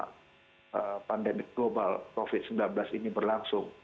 karena pandemi global covid sembilan belas ini berlangsung